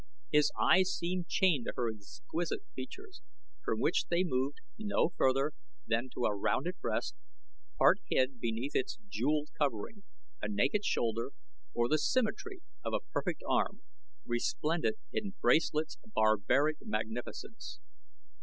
His eyes seemed chained to her exquisite features, from which they moved no further than to a rounded breast, part hid beneath its jeweled covering, a naked shoulder or the symmetry of a perfect arm, resplendent in bracelets of barbaric magnificence.